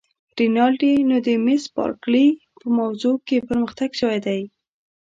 رینالډي: نو د مس بارکلي په موضوع کې پرمختګ شوی دی؟